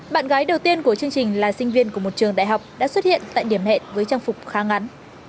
bạn gái đầu tiên của chương trình là sinh viên của một trường đại học đã xuất hiện tại điểm hẹn với trang phục khá ngắn